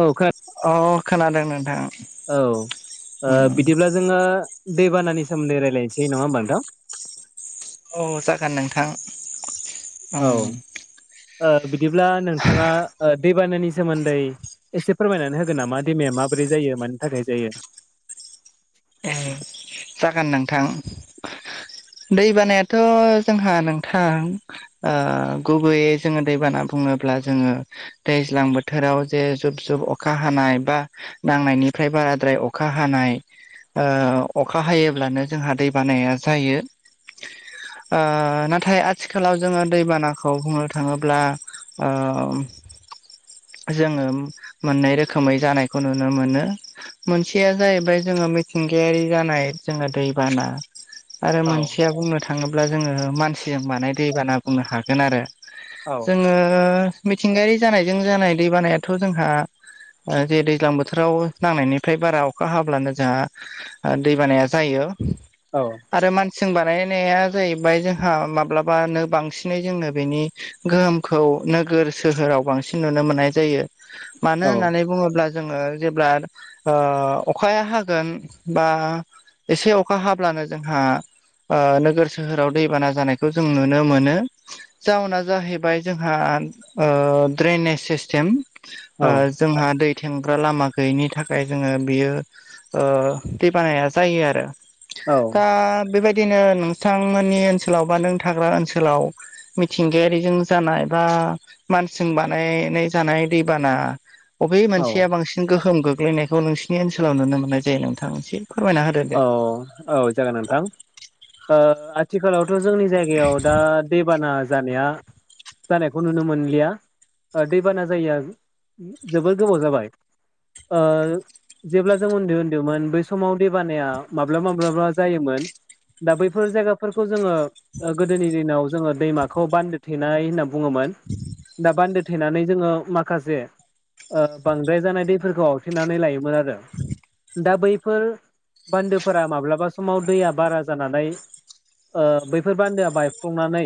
औ खो अ खोनादों नोंथां औ उम बिदिब्ला जोङो दैबानानि सोमोन्दै रायलायनोसै नङा होमबा नोंथ' औ जागोन नोंथां औ बिदिब्ला नोंथाङा दैबानानि सोमोन्दै एसे फोरमायनानै होगोन नामा दैमाया माबोरै जायो मानि थाखाय जायो ए जागोन नोंथां दै बानायाथ' जोंहा नोंथां गुबैयै जोङो दैबाना बुङोब्ला जोङो दैज्लां बोथोराव जे जुब जुब अखा हानाय बा नांनायनिफ्राय बाराद्राय अखा हानाय अखा हायोब्लानो जोंहा दै बानाया जायो नाथाय आथिखालाव जोङो दैबानाखौ बुंनो थाङोब्ला [unintelligible] जोङो मोननै रोखोमै जानायखौ नुनो मोनो मोनसेया जाहैबाय जोङो मिथिंगायारि जानाय जोङो दैबाना आरो औ मोनसेया बुंनो थाङोब्ला जोङो मानसिजों बानाय दैबाना बुंनो हागोन आरो औ जोङो मिथिंगायारि जानायजों जानाय दैबानायाथ' जोंहा जे दैज्लां बोथोराव नांनायनिफ्राय बारा अखा हाब्लानो जोंहा दै बानाया जायो औ आरो मानसिजों बानायनाया जाहैबाय जोंहा माब्लाबाानो बांसिनै जोंनो बेनि गोहोमखौ नोगोर सोहोराव बांसिन नुनो मोननाय जायो मानो होननानै औ बुङोब्ला जोङो जेब्ला अखाया हागोन बा एसे अखा हाब्लानो जोंहा नोगोर सोहोराव दैबाना जानायखौ जों नुनो मोनो जाउना जाहैबाय जोंहा ड्रेनेज सिस्टेम जोंहा दै थेंग्रा लामा गैयिनि थाखाय जोङो बियो दै बानाया जायो आरो औ दा बेबायदिनो नों थांमोननि ओनसोलाव बा नों थाग्रा ओनसोलाव मिथिंगायारिजों जानाय बा मानसिजों बानायनाय जानाय दैबाना बबे औ मानसेया बांसिन गोहोम गोग्लैनाय बे नोंसोरनि ओनसोलाव नुनो मोननाय जायो नोंथां मोनसे फोरमायना हो। औ औ जागोन नोंथां आ आथिखालावथ' जोंनि जायगायाव दा दैबाना जानाया जानायखौ नुनो मोनलिया दैबाना जायो। जोबोर गोबाव जाबाय जेब्ला जों उन्दै उन्दैमोन बै समाव दै बानाया माब्लाबा माब्लाबा जायोमोन दा बैफोर जायगा फोर जोङो गोदोनि दिनाव जोङो दैमाखौ बान्दो थेनाय होननानै बुङोमोना बान्दो थेनानै जोङो माखासे बांद्राय जानाय दैफोरखौ आवथेनानै लायोमोन आरो। दा बैफोर बान्दोफोरा माब्लाबा समाव दैया बारा जानानै बैफोर बान्दोआ बायफ्लंनानै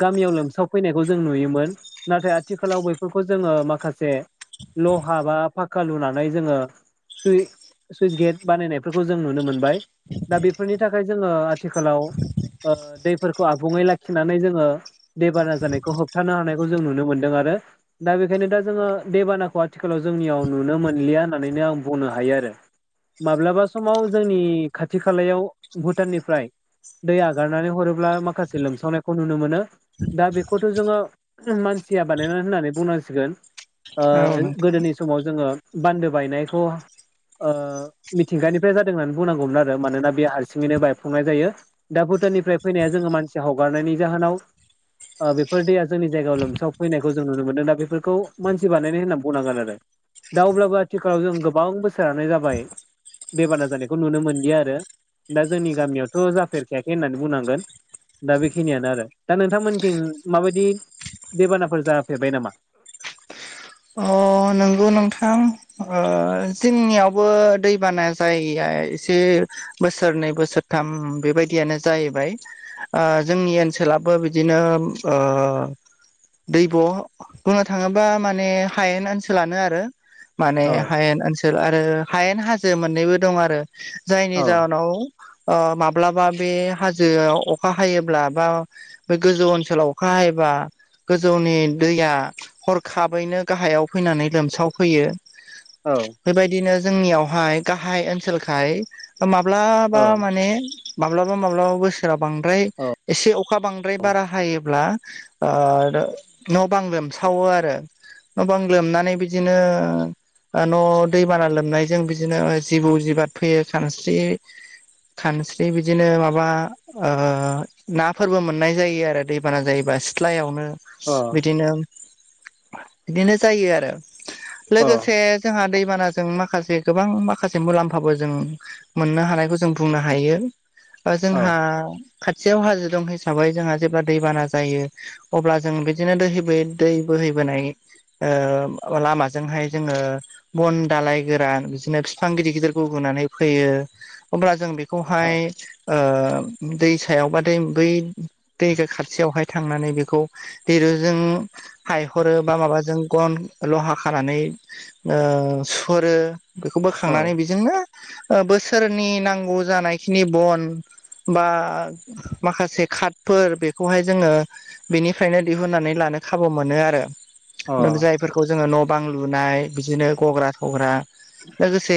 गामियाव लोमसाव फैनायखौ जों नुयोमोन नाथाय आथिखालाव बैफोरखौ जोङो माखासे लहा बा फाखका लुनानै जोङो स सुइस गेट बानायनाय खौ जों नुनो मोनबाय दा बेफोरनि थाखाय जोङो आथिखालाव फोरखौ आबुङै लाखिनानै जोङो देबाना जानायखौ होबथानो हानायखौ जों नुनो मोन्दों आरो। दा बेखायनो दा जोङो दैेबानाखौ आथिखालाव जोंनियाव नुनो मोनलिया होननानैनो आं बुंनो हायो आरो। माब्लाबा समाव जोंनि खाथि खालायाव भुटाननिफ्राय दै आगारनानै हरोब्ला माखासे लोमसावनायखौ नुनो मोनो। दा बेखौथ' जोङो मानसिया बानायनानै होननानै बुंनांसिगोन ओ औ नोंथां गोदोनि समाव जोङो बान्दो बायनायखौ ओ थिंगानिफ्राय जादों होननानै बुंनांगौमोन आरो मानोना बे हारसिङैनो बायफुंनाय जायो। दा भुटाननिफ्राय फैनाया जोङो मानसि हगारनायनि जाहोनाव बेफोर दैया जोंनि जायगायाव लोमसाव फैनायखौ जों नुनो मोनदों दा बेफोरखौ मानसि बानायनाय होननानै बुंनांगोन आरो। दा अब्लाबो आथिखालाव जों गोबां बोसोरानो जाबाय दैबाना जानायखौ नुनो मोनदिया आरो दा जोंनि गामियावथ जाफेरखायाखै होननानै बुंनांगोन। दा बेखिनियानो आरो दा नोंथांमोनथिं माबायदि दबानाफोर जाफेरबाय नामा? अ नंगौ नोंथां। ओ जोंनियावबो दैबाना जायगाया एसे बोसोरनै बोसोरथाम बेबायदियानो जाहैबाय। ओ जोंनि ओनसोलाबो बिदिनो ओ दैब' बुंनो थाङोबा मा ने हायेन ओनसोलानो माने औ हायेन ओन सोल आरो हायेन हाजो मोननैबो दं आरो जायनि औ जाहोनाव अ माब्लाबा बे हाजोआव अखा हायोब्ला बा बे गोजौ ओनसोलाव अखा हबा गोजौनि दैया हरखाब थाबैनो गाहायाव फैनानै लोमसाव फैयो। औ बेबायदिनो जोंनियावहाय गाहाय ओनसोलखाय ओ औ माब्लाबा माने माब्लाबा माब्लाबा बोसोराव बांद्राय एसे अखा बांद्राय बारा हायोब्ला ओ न'बां लोमसावो आरो न' बां लोमनानै बिदिनो ओ न' दैबाना लोमनायजों बिदिनो जिबौ जिबाद फैयो खानस्रि खानस्रि बिदिनो माबा आ नाफोरबो मोननाय जायो आरो दैबाना जायोबा सिथ्लायावनो। अ बिदिनो बिदिनो जायो आरो लोगोसे जोंहा दैबानाजों माखासे गोबां माखासे मुलाम्फाबो जों मोननो हानायखौ जों बुंनो हायो ओ औ जोंहा खाथियाव हाजो दं हिसाबै जोंहा जेब्ला दैबाना जायो अब्ला जों बिदिनो बोहै दै बोहैबोनाय ओ लामाजोंहाय जोङो बन दालाय गोरान बिदिनो बिफां गिदिर गिदिर गगुनानै फैयो। अब्ला जों बेखौहाय ओ दै सायाव बाथाय बै दैखो खाथियावहाय थांनानै बेखौ दिरुजों हाय हरो बा माबाजों गन लहा खानानै ओ सुरो बेखौ बोखांनानै बेजोंनो ओ बोसोरनि नांगौ जानायखिनि बन बा माखासे कादफोर बेखौहाय जोङो बेनिफ्रायनो दिहुननानै लानो खाबु मोनो आरो। जायफोरखौ जोङो न' बां लुनाय बिदिनो गग्रा थग्रा लोगोसे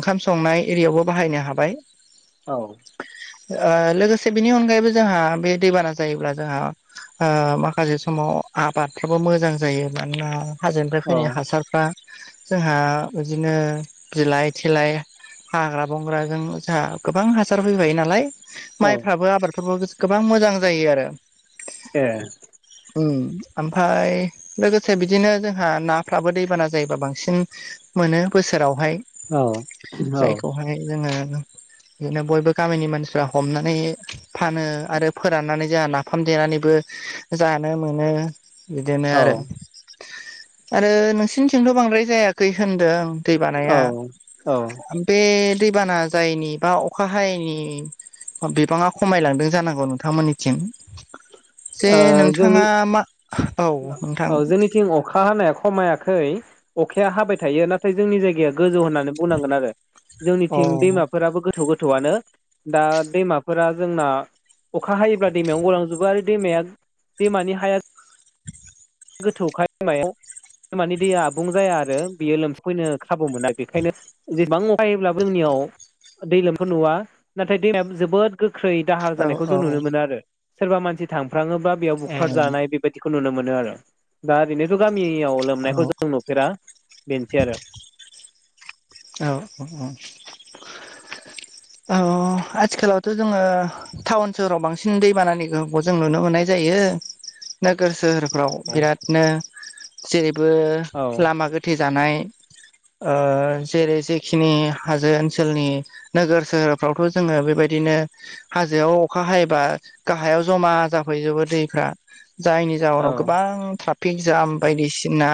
ओंखाम संनाय एरियावबो बाहायनो हाबाय। औ ओ लोगोसे बेनि अनगायैबो जोंहा बे दैबाना जायोब्ला जोंहा ओ माखासे समाव आबादफ्राबो मोजां जायो मानोना हाजोनिफ्राय औ फैनाय हासारफ्रा जोंहा बिदिनो बिलाइ थिलाइ हाग्रा बंग्राजों जोंहा गोबां हासार फैबायायो नालाय औ माइफ्राबो आबादफोर गोबां मोजां जायो आरो। ए ओम ओमफ्राय लोगोसे बिदिनो जोंहा नाफ्राबो दैबाना जायोबा बांसिन मोनो बोसोरावहाय औ औ औ जायखौहाय जोङो [inaudible] बिदिनो बयबो गामिनि मानसिफ्रा हमनानै फानो आरो फोराननानै जोंहा नाफाम देनानैबो जानो मोनो। बिदिनो औ औ आरो आरो नोंसिनिथिंथ' बांद्राय जायाखै होनदों आं। दैबानाया ओ बे दैबाना जायैनि बा अखा हायैनि बिबाङा खमायलांदों जानांगौ नोंथांमोननिथिं जे जोंनि नोंथाङा मा औ नोंथां औ जोंनिथिं अखा हानाया खमायाखै अखाया हाबाय थायो नाथाय जोंनि जायगाया गोजौ होननानै बुंनांगोन आरो औ जोंनिथिं दैमाफोराबो गोथौ गोथौआनो दा दैमाफोरा जोंना अखा हायोब्ला दैमायावनो गलांजोबो आरो दैमाया दै मानि हाया गोथौ खाय मानि दैया आबुं जाया आरो बियो लोमसफैनो खाबु मोना बेखायनो जेसेबां अखा‌ हायोब्लाबो जोंनियाव दै्लोमफोर नुवा नाथाय दैमाया जोबोद गोख्रै दाहार औ जानायखौ औ जों नुनो मोनो आरो सोरबा मानसि थांफ्राङोब्ला बेयाव ए बुखार जानाय बेबायदिखौ नुनो मोनो आरो दा ओरैनोथ' गामियाव लोमनायखौ औ जों नुफेरा बेनोसै आरो औ औ औ औ आथिखालावथ' जोङो टाउन सोहराव बांसिन दैबानानि गोहोमखौ जों नुनो मोननाय जायो नोगोर सोहोरफ्राव बिरादनो जेरैबो औ लामा गोथे जानाय जेरै जेखिनि हाजो ओनसोलनि नोगोर सोहोरफ्रावथ' जोङो बेबायदिनो हाजोआव अखा हायोबा गाहायाव जमा जाफैजोबो दैफ्रा जायनि औ जाउनाव गोबां जाम बायदिसिना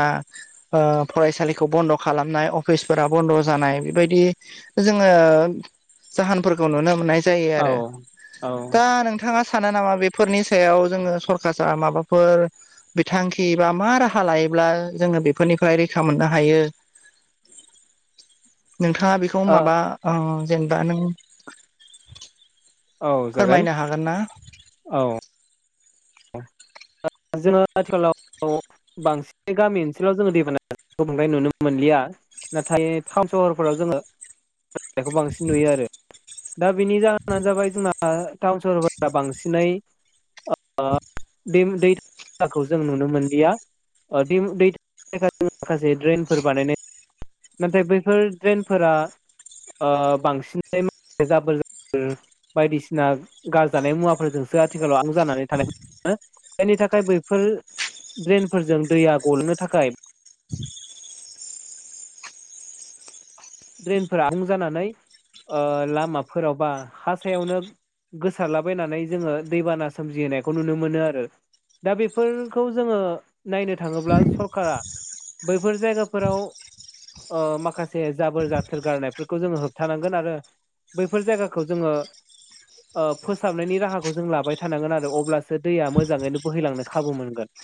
फरायसालिखौ बन्द' खालामनाय अफिसफोराव बन्द' जानाय बेबायदि जोङो जाहोनफोरखौ नुनो मोननाय जायो आरो औ दा नोंथां नोंथाङा सानो नामा बेफोरनि सायाव जोङो सरकारा माबाफोर बिथांखि बा मा राहा लायोब्ला जोङो बेफोरनिफ्राय रैखा मोननो हायो नोंथाङा बेखौ औ माबा जेनेबा नों औ जागोन फोरमायनो हागोन ना? औ जोङो आथिखालाव बांसिन गामि ओनसोलाव जोङो दैबाना बांद्राय नुनो मोनलिया नाथाय टाउन सहरफोराव जोङो खौ बांसिन नुयो आरो दा बेनि जाहोनानो जाबाय जोंना टाउन सहर दा बांसिनै बे दै [unintelligible] जों नुनो मोनलिया दै [unintelligible] माखासे ड्रेनफोर बानायनाय नाथाय बैफोर ड्रेनफोरा बांसिनै जाबोर जाथोर बायदिसिना गारजानाय मुवाफोरजोंसो आथिखालाव आबुं जानानै थानायखौ नुनो मोनो जायनि थाखाय बेफोर ड्रेनफोरजों दैया गलां'नो थाखाय [inaudible] ड्रेनफोरा आबुं जानानै लामाफोराव बा हा सायावनो गोसारलाबायनानै जोङो दैबाना सोमजिहोनायखौ नुनो मोनो आरो दा बेफोरखौ जोङो नायनो थाङोब्ला सरखारा बैफोर जायगाफोराव माखासे जाबोर जाथोर गारनायफोरखौ जोङो होबथानांगोन आरो बैफोर जायगाखौ जोङो फोसाबनायनि राहाखौ जों लाबाय थानांगोन आरो अब्लासो दैया मोजाङैनो बोहैलांनो खाबु मोनगोन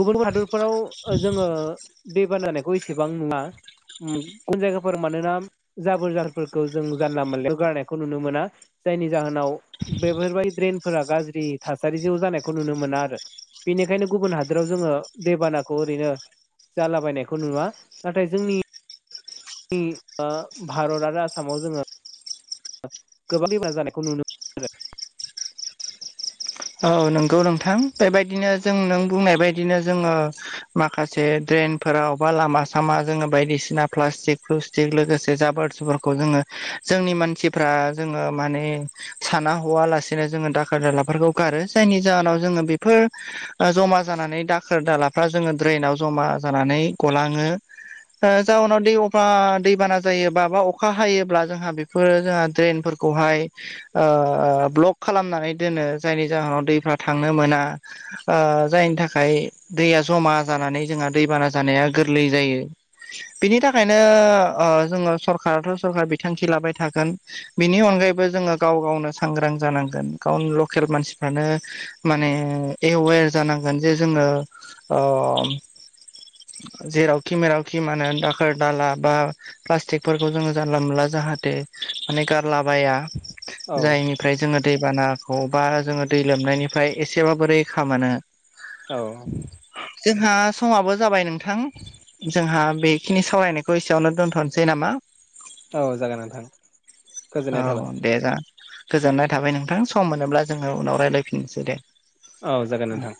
गुबुन हादरफोराव जोङो दै बाना होननायखौ एसेबां नुवा गुबुन जायगाफोर मानोना जाबोर जाथोरफोरखौ जों जानला मोनला गारनायखौ नुनो मोना जायनि जाहोनाव बेफोरबायदि ड्रेनफोरा गाज्रि थासारि ज' जानायखौ नुनो मोना आरो बेनिखायनो गुबुन हादोराव जोङो दैबानाखौ ओरैनो जालाबायनायखौ नुवा नाथाय जोंनि भारत आरो आसामाव जोङो गोबां दैबाना जानायखौ नुनो औ नोंगौ नोंथां बेबायदिनो जों नों बुंनाय बदिनो जोङो माखासे दड्रेन फोराव बा लामा सामा जोङो बायदिसिना प्लास्टिकस् प्लुस टिक बेजों लोगोसे जाबोर जुफोरखौ जोङो जोंनि मानसिफ्रा जोङो माने साना हवालासिनो जोङो दाखोर दालाफोरखौ गारो जायनि जाहोनाव जोङो बेफोर जमा जानानै दाखोर दालाफ्रा जोङो ड्रेनाव जमा जानानै गलाङो ओ जाहोनाव दै अखा दैबाना जायोबा बा अखा हायोब्ला जोंहा बेफोर जोंहा ड्रेनफोर खौहाय ओ ब्लक खालामनानै दोनो जायनि जाहोनाव दैफ्रा थांनो मोना ओ जायनि थाखाय दैया जमा जानानै जोंहा दैबाना जानाया गोरलै जायो बिनि थाखायनो ओ जोङो सरखाराथ' सरखार बिथांखि लाबाय थागोन बिनि अनगायैबो जोङो गाव गावनो सांग्रां जानांगोन गावनो लकेल मानसिफ्रानो माने एवे जानांगोन जे जोङो अ जेरावखि मेरावखि मा होनो दाखोर दाला बा प्लास्टिकफोरखौ जोङो जानला मोनला जाहाथे माने गारलाबाया औ जायनिफ्राय जोङो दैबानाखौ बा जोङो दै लोमनायनिफ्राय एसेबाबो रैखा मोनो औ जोंहा समाबो जाबाय नोंथां जोंहा बेखिनि सावरायनायखौ एसेयावनो दोनथ'नोसै नामा औ जागोन नोंथां औ गोजोननाय थाबाय दे जा गोजोननाय थाबाय नोंथां सम मोनोब्ला जोङो उनाव रायलायफिननोसै दे औ जागोन नोंथां